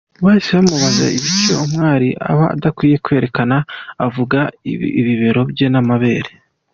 Bahise bamubaza ibice umwari aba adakwiye kwerekana avuga ’bibero bye n’amabere’.